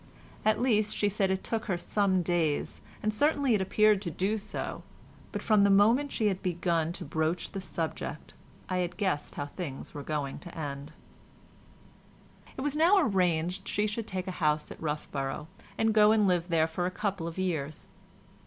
At least, she said it took her some days, and certainly it appeared to do so, but from the moment she had begun to broach the subject, I had guessed how things were going to end. It was now arranged she should take a house at Roughborough, and go and live there for a couple of years.